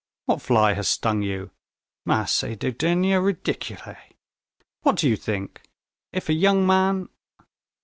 _ What fly has stung you? Mais c'est du dernier ridicule! What did you think, if a young man...."